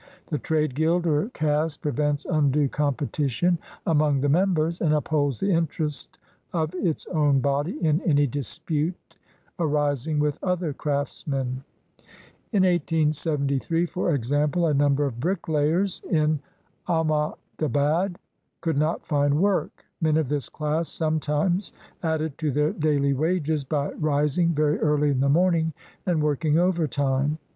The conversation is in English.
The trade guild or caste prevents undue competition among the members, and upholds the interest of its own body in any dispute aris ing with other craftsmen. In 1873, for example, a number of bricklayers in Ahmadabad could not find work. Men of this class sometimes added to their daily wages by rising very early in the morning, and working overtime.